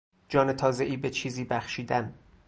جان تازهای به چیزی بخشیدن